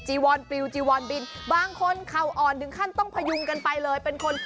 วอนปลิวจีวอนบินบางคนเข่าอ่อนถึงขั้นต้องพยุงกันไปเลยเป็นคน